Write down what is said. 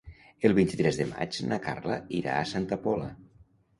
El vint-i-tres de maig na Carla irà a Santa Pola.